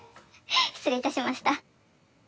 失礼いたしました。